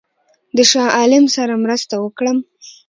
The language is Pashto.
د شاه عالم سره مرسته وکړم.